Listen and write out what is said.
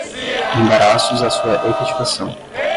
embaraços à sua efetivação